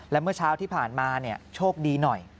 และเมื่อเช้าที่ผ่านมาโชคดีหน่อย